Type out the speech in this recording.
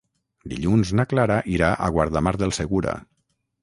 Dilluns na Clara irà a Guardamar del Segura.